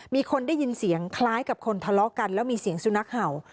มีคนได้ยินเสียงคล้ายกับคนทะเลาะกันแล้วมีเสียงสุนัขเห่า